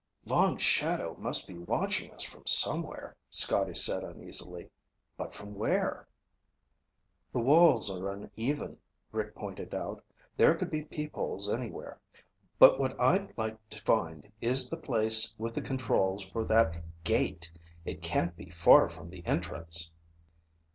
"Long Shadow must be watching us from somewhere," Scotty said uneasily. "But from where?" "The walls are uneven," Rick pointed out. "There could be peepholes anywhere. But what I'd like to find is the place with the controls for that gate! It can't be far from the entrance."